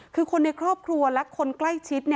คือคนในครอบครัวและคนใกล้ชิด